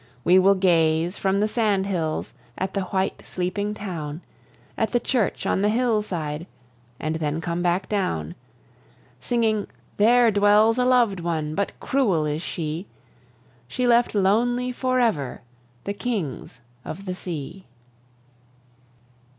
We will gaze, from the sand hills, At the white, sleeping town; At the church on the hill side And then come back down. Singing: "There dwells a lov'd one, But cruel is she! She left lonely forever The kings of the sea."